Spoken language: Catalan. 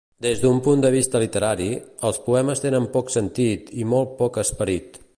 Des d'un punt de vista literari, els poemes tenen poc sentit i molt poc esperit.